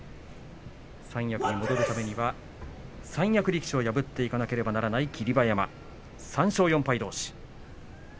三役に戻るためには三役力士を破っていかなければならない霧馬山、３勝４敗どうしです。